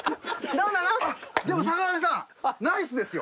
あっでも坂上さんナイスですよ。